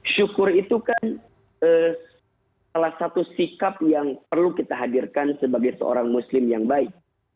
syukur itu kan salah satu sikap yang perlu kita hadirkan sebagai seorang muslim yang baik